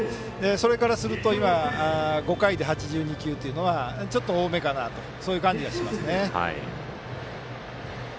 それからすると今、５回で８２球というのはちょっと多めかなという感じはします。